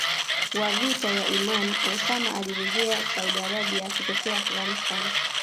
wa vita ya Imaan Osama alirejea Saudi Arabia akitokea Afghanistan